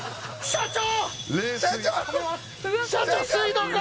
社長。